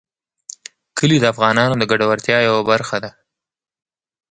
کلي د افغانانو د ګټورتیا یوه برخه ده.